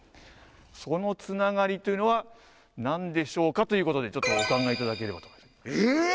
そのつながりというのは何でしょうかということでちょっとお考えいただければとえっ？